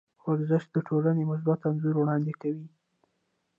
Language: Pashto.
ورزش د ټولنې مثبت انځور وړاندې کوي.